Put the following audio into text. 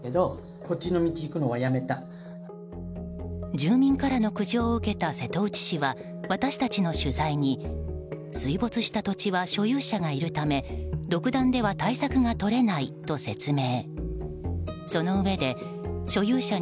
住民からの苦情を受けた瀬戸内市は私たちの取材に水没した土地は所有者がいるため独断では対策が取れないと説明。